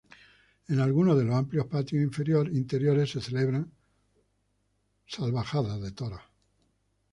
En algunos de los amplios patios interiores se celebraban corridas de toros.